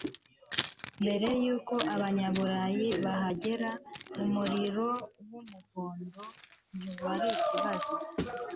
mbere yuko abanyaburayi bahagera, umuriro w'umuhondo ntiwari ikibazo